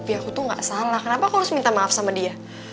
tapi aku tuh gak salah kenapa aku harus minta maaf sama dia